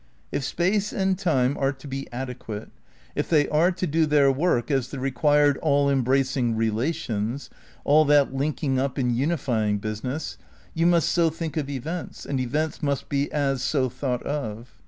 If space and time are to be adequate, if they are to do their work as the required all embracing relations — all that linking up and unifying business — ^you must so think of events, and events must be as so thought of.